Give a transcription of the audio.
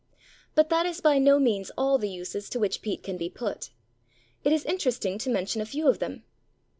But that is by no means all the uses to which peat can be put. It is interesting to mention a few of them.